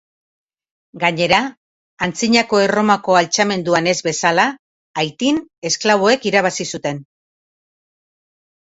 Gainera, Antzinako Erromako altxamenduan ez bezala, Haitin esklaboek irabazi zuten.